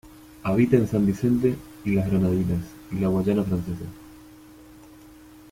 Habita en San Vicente y las Granadinas y la Guayana Francesa.